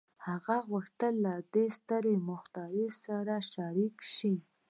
هغه غوښتل له دې ستر مخترع سره شريک شي.